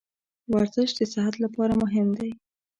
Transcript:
ورزش د صحت لپاره مهم دی.